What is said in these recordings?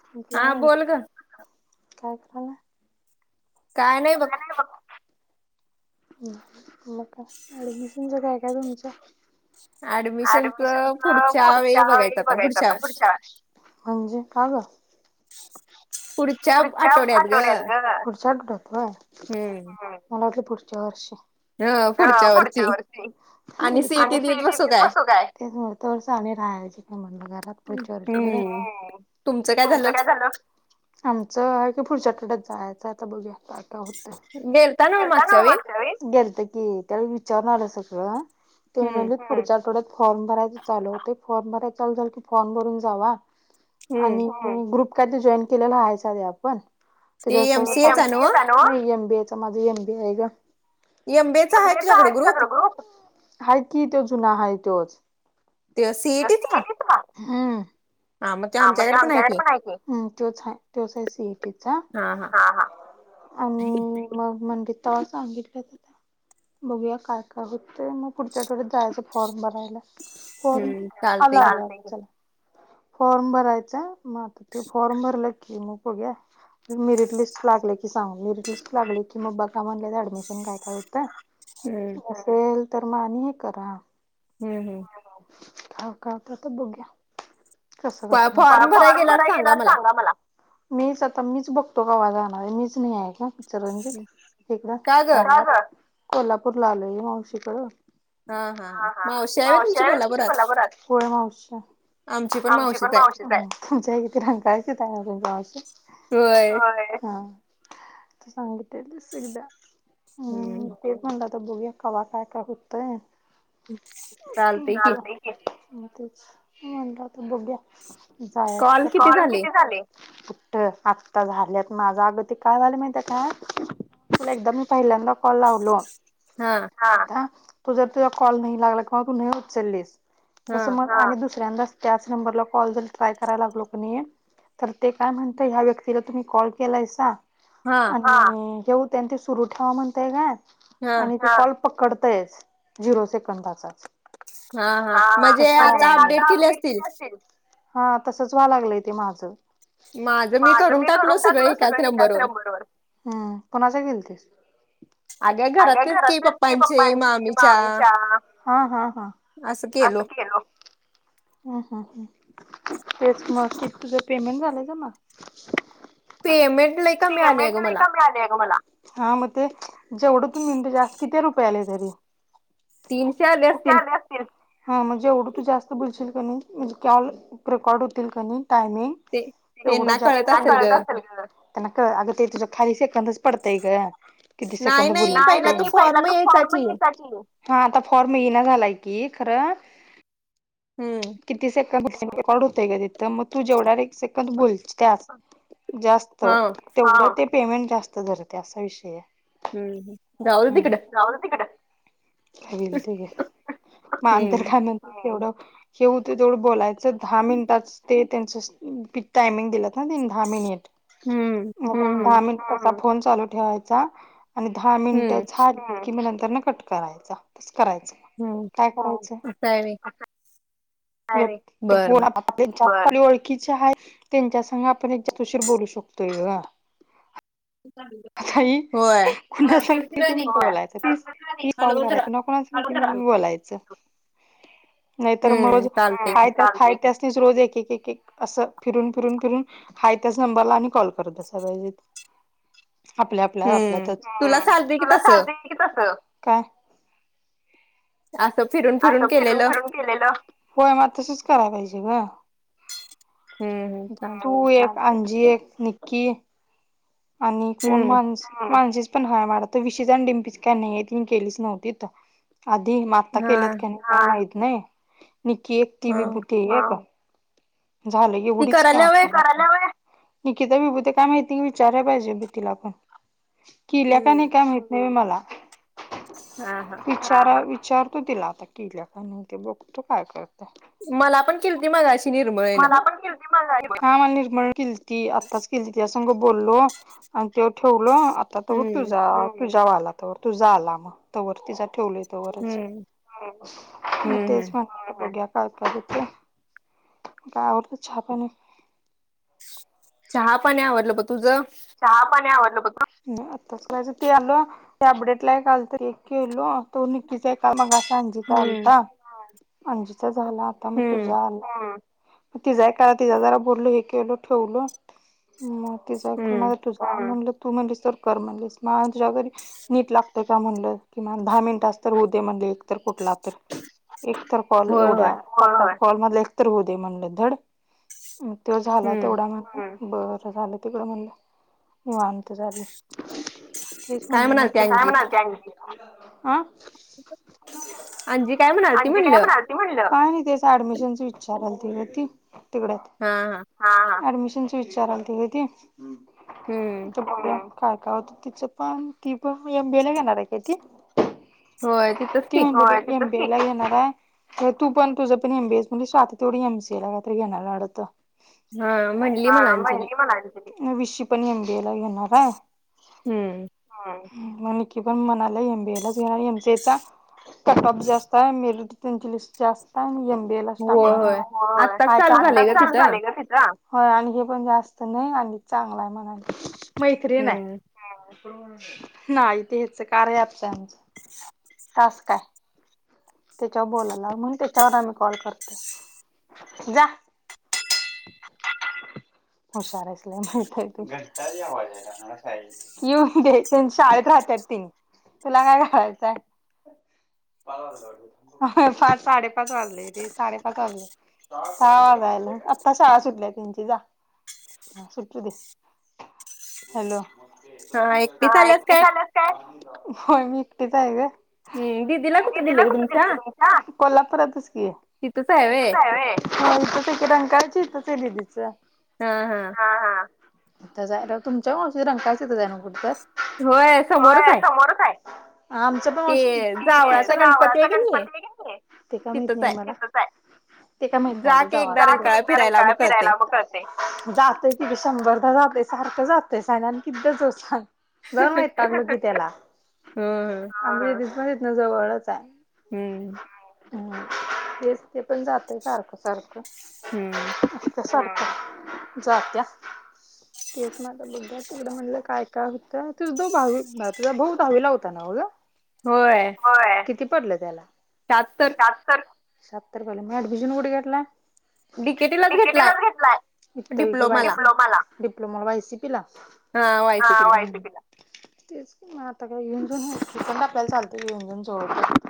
सिंपला हाड काय कराला काय नाही बघ हम मग का ऍडमिशनच काय काय तुमच आडमिशन पुढच्या वेळी बघायच आत्ता पुढच्या वर्षी म्हणजे का ग पुढच्या आठवड्यात ग पुढच्या आठवड्यात होय मला वाटल पुढच्या व चारशे हा पुढच्या वर्षी हम आणि सी ई टी देत बसू काय तेच म्हणलं तवर सानी राहायची काय म्हणल घरात पुढच्या वर्षी पर्यंत हम्म्म तुमचं काय झालं आमचं हाय की पुढच्या आठवड्यात याचा आता बघूया काय काय होत गेलता ना मागच्या वेळी गेल्त की त्यावेळी विचारून आल् सगळ तेनी म्हणलीत हम् पुढच्या आठवड्यात फॉर्म भराय चालू ते फॉर्म भराय चालू झालं की फॉर्म भरून जावा आणि ग्रुप काय तू जॉईन केलेलं आहे आधी आपण ते ज्यावर टाकं सगळं एम बी एय चं आता माझं एम बी आहे गं एम बी एय चार आहे तुझ्याकडं ग्रुप हाय कि तो जूना हाय तोच ते सी ए टी चा हा हा मग ते आमच्या इकडं पण आहे कि ह् तोच आहे तोच सी एस टी चा हा हा आणि मग म्हटलीत तव्हां सांगितलं आता बघूया काय काय होतेय मग पुढच्या आठवड्यात जायचं फॉर्म भरायला हो आलो आलो आलो चला फॉर्म भरायचं मग आता ते फॉर्म भरलं की मग बघूया मेरिट लिस्ट लागली की सागं मेरिट लिस्ट लागले कि बघा म्हणल्यात ऍडमिशन काय काय‌ होतंय असेल तर म आणि हे करा हम्म हम्म सर काय करत्यात बघूया कसं कसं निघतंय फॉर्म भराय गेला वर सांगा मला मीच आता मीच बघतो किंवा जाणारं आहे मीच नाही आहे का इचलकरंजीत इकडं खायाला का गं कोल्हापूरला आलोय गं मावशीकडं हा हा मावशी आहे व्हंय तूमची कोल्हापुरात होय मावशी ह्य आमची पण मावशीचं आहे तुमच्या इथं रंकाळा च्याइथं आहे आजून गा [unintelligible] होय हा तू सांगितलेली एकदा हम्म तेच म्हटलं आता आता बघूया कवा काय काय होतयं. चालतंय कि मग तूचं मी म्हणालो आता तर बघूया जायचं तर कॉल किती झाले कुठं आत्ता झाल्यात माझा अगं त काय झालं माहिती आहे काय तुला एकदा मी पहिल्यांदा कॉल लावलो हा का तू जर तुला कॉल नाही लागला किंवा तू नाही उचललेस तसं मग हा दुसऱ्या दाच त्याच नंबरला कॉल जर ट्राय कराय लागलोक नी तर ते काय म्हणत ह्या व्यक्तीला तुम्ही कॉल केलाय सा. अछा. ठेऊते आणि ते सुरू ठेवा म्हणताय का. आणि ते पळु पकडतेस झिरो सेकंदाचा हा हा म्हणजे आता अपडेट केले अस. केल असेल. हा तसच व्हा लागलंय ते माझं. माझ मी करून टाकल हो सगळं एकाच नंबरवर कोणाच गेलतीस अग घरातच की पप्पांची मामीच्या हा हा. ह अस गलो. हम्म हम्म हम्म तेच म तुझं पेमेंट झालंय का मग पेमेंट लय कमी आलीये ग मला हा मग ते जेवढं तुम्ही [inaudible] किती रुपये आले तरी तीनशे आले असतील. हम्म जेवढं तू जास्त बोलशील. कणी म्हणजे कॅल रेकॉर्ड होतील काणी टायमिंग एवढं जा [inaudible] त्यांना कळ अगं ते तुझ्या खारीचे सेकंदच पडतय म किती सेकंद बोल पहि फॉर्म य हा आता फॉर येईना झालाय की खरं. हम्म. रेकॉर्ड होतंय का तिथं व तू जेवढ्या रे सेकंद बोलची का जास्त तेवढं ते. पेमेंट जास्त धरते असा विषये हम्म जाऊदे तिकड. येईल ठीक आहे मान तर खाणार तेवढ. जे होतं तेवढ बोलाय. दहा मिनिटातच ते. त्यांचं टायमिंग दिलंत ना तीन दहा मिनिट? दहा मिनटाचा फोन चालू ठेवायचा आणि दहा मिनिट झाले की म नं तर म कट करायचा. करायचं काय करायचं? [unintelligible] आपली ओळखीचे आहेत त्यांच्यासग आपण एकदा तुशीर बोलू शकतोय ग आता कुणा स किती मिनिट बोलायचं कॉल करायच कुणा कुणा किती बोलायचं. नाहीतर मरज खाय तर खाय त्यासनीच रोज एक एक अस फिरून फिरून फिरून हाय त्याच नंबरला आणि कॉल करत बसाय पाजेत आपल्या आपल्या आपल्यातच हूं तुला साध हाय की तस काय? असं फिरून फिरून केलेलं, होय मग तसच करायला पाहिजे ग तू एक अंजी एक नि की आणि कोण माण माणजिच पण हय मडा त विशी च डिंपी च काय नाही ती केलीच नव्हती त अधी म आता केल्यात की नाई काय माईत नाही. निकी एक टी बी बुतेल नाय का झालं एवढीच का आपण तू करायला व्हय निकिता बीभूते काम माहिती विचारलाय पाहिजे बी तीला पण केल्या का नाय का माहित नाय मला [inaudible] विचारां वि विचार तो तिला आता केल्या का नाय ते बघतो काय करतय मला पण किलती मगाशी निर्मळ आहे न हा मला निर्मळ केलती. आत्ताच केली तीजा सग बोललो आणि तेव्हा ठेवलो आता त होत तुझा तुझ्या वर आला तवर तुझा आला मग, तोवर तीचा ठेवले तोवरच, मी तेच [unintelligible] काय करीते गाववरती छाप आहे ना चहा पाणी आवरलं का तुझं? चहा पाणी आवरलं का तुझ. बघ आताच. माझं ते आलं ते अपडेटला एक आलत ते केलो. तो निक्कीचा एक आला मगाशी अंजीचा आलता अंशचच झाला आता मग तुझा आला मग तिचा एक आला तिच्याशी जरा बोललो, हे केलो, ठेवलो मग मला तू फार म्हणलं तू म्हणलीस तर कर म्हणलीस. मला तुझ्या घरी नीट लागतं का म्हणलं की मला दहा मिनिटाच तर होऊ दे म्हणले तर कुठला तर, एक तर कॉल एवढ्या कॉल मधल एकतर होऊ दे म्हणलं धड तो झाला तेवढा मग ते बरं आता झालं तिकडें म्हणलं तू आण तुझ्या घरी तेच म्हणलं नाही तर, काय म्हणाली ती आणखी अ अंजी काय म्हणाली होती म्हणलं काय नाही त्याच ऍडमिशनच विचारलन तिन ती तिकडे, हा हा, ऍडमिशन तुमचं विचारलंन ती तू बोलली काय काय होत तिचं पण ती पण एम बी ए ला घेणार आहे का ती? होय तिथच ठीक ला घेणार आहे, तू पण तुझं पण एमबीएस म्हणजे स्वाती तेवढी एमसीए ला काहीतरी घेणार आहे वाटतं. हा म्हणली मला अंजली. नवी शिप् पण एम बी ए ला घेणार आहे हा वेंकी पण म्हणाला एमबीएलाच घेणार, एमसीएचा कटॉप जास्त आहे, मेरिट लिस्ट जास्त आहे, एम बीए लाच टाकणार आहे. होय, व्ह्याचं आत्ताच चालू झालेय ग तिथंच होय आणि हे पण जास्त नाही आणि चांगला आहे म्हणे [inaudible] मैत्रीण आहे नाही ते ह्याच कार्या अँप च टास्क आहे त्याच्यावर बोलायला म्हण त्याच्यावर आम्ही कॉल करते जा हुशार असलय म्हणय त येऊन्याय शाळेत राहतात ति तुला काय कयचं आहे पाच साडेपाच वाजले रे साडेपाच वाजले सहा वाजायला आता शाळा सुटल्या त्यांची जा सुटली ते हॅलो हा एकटीच आल्यास काय? हो मी एकटीच आहे ग- हम् दिदीला कुठ दिले तुम- त कोल्हापुरातच की इथंच हाय व्हय हा इथंच हाय- कायची तलीदीचं [unintelligible] हा हा. आ जाय तुमच्या माशी रंगकायच यथं जा ना कुठ तर [unintelligible] होय समोरच आहे- आमचं पणस् [unintelligible] ते काय माहीत नाही मला- ते काय माहीत नाही मला रंकाळा फिरायला मग कळतंय जातोयेकी- शंभरदा जातेय सारखं जातय सांगा आणि कितीदा जाउ सांगा- जाऊन वैतागलो की त्याला - जवळच आहे. हम्म. ह ते [unintelligible] ते पण जातय सारखं सारखं जात्या तेच माझ बोल्या तुकडं म्हणलं काय काय होतं त दो भावी तुझ भाऊ दहावीला होता ना होघ- होय. किती पडले त्याला? श्यात्तर शहात्तर ऍडमिशन कुठं घेतल्या - डिकेटीलाच घेतलाय इ डिप्लोमाला- डिप्लोमा वा एस- हा वाय सी पी ला तेच म आता का येऊन जाऊनंड आपल्याला चालत येनजऊन सोडत-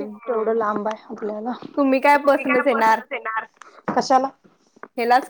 तेवढं लांब आहे. आपल्याला तु मी काय बसूनच येणार. कशाला?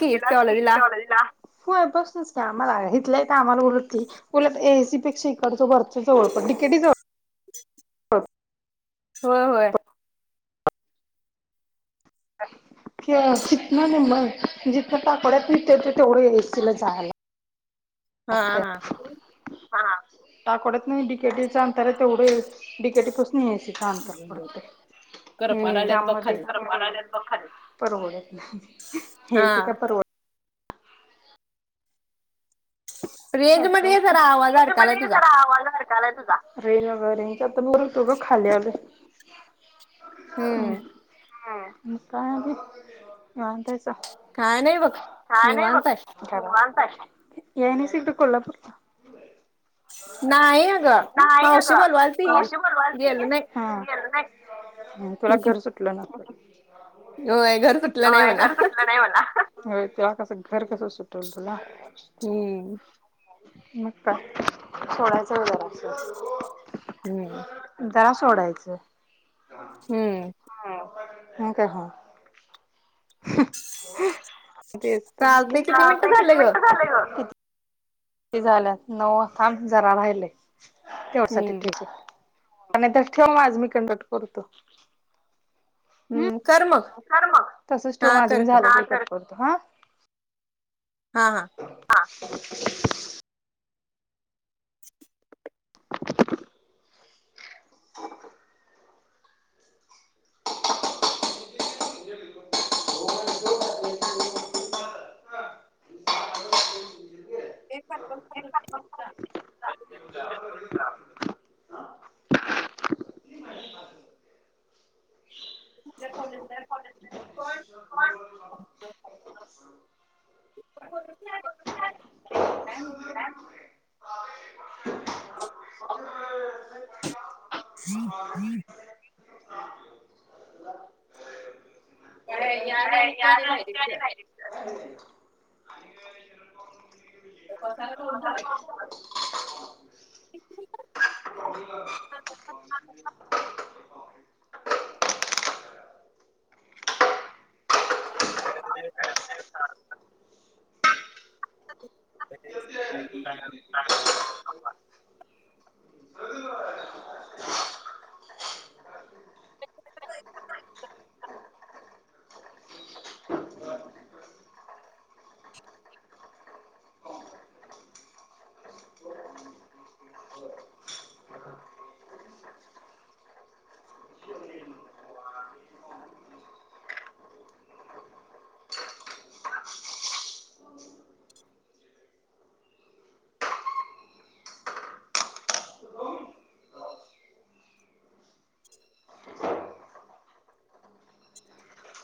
गेलास की कॉलेजला होय बस ना आम्हाला काय इथले इथ- कामाला उलटली एएससी पेक्षा इकडच वरचं जवळ पडतंय पण डी के टी जवळ- हा होय होय. हितं निम्म जथन टाकवडे तेवढं इतना ए एस सी ला जायला लागते हा हा हा टाकवडे नाही डीकेटीच अंतर आहे तेवढं डीकेटी पुस्तक च अंतर पडतंय त्या मध्ये तर परवडत नाही हेच का पर रेंजमध्ये आवाज अडकलाय अडकलाय तुझा रेंज आता वर होतो ग हम् मग काय आणि निवांत आहेस काय नाही बघ निवांत आहे यायनाहीस इकड कुठे कोल्हापूरला नाही अगं मावशी बोलवाल ती गेल नाही तुला घर सुटलं ना होय घर सुटलं नाही मला अ ते कसं घर कसं सुटवल तुला शु मक् काय सोडायला चल जरासं त्याला सोडायचं हा हम काय हम तेच किती मिनटं झालंय ग क झाल्यात नऊ थांब जरा राहिले तेवढसाठी ठठीच आणि नाही तर ठेव आज मी कंडक्ट करतो हम् कर मग तसंच ठेव माझं मी झालं की करतो करतो हा हा हा [inaudible] [unintelligible] [unintelligible] ण [unintelligible] [unintelligible] हम्म हम्म का या आणि ते आणि बारीर [unintelligible] [unintelligible] [unintelligible] [unintelligible] [unintelligible] [unintelligible] [unintelligible]